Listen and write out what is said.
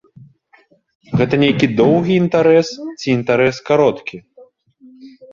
Гэта нейкая доўгі інтарэс ці інтарэс кароткі?